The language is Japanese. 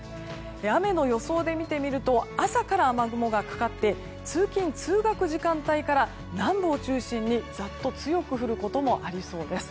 雨の予想で見てみると朝から雨雲がかかって通勤・通学時間帯から南部を中心に、ざっと強く降ることもありそうです。